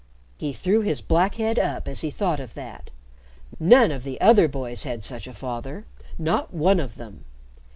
He threw his black head up as he thought of that. None of the other boys had such a father, not one of them.